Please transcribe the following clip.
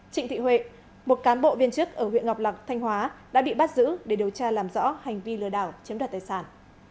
trịnh thị huệ một cán bộ viên chức ở huyện ngọc lạc thanh hóa đã bị bắt giữ để điều tra làm rõ hành vi lừa đảo chiếm đoạt tài sản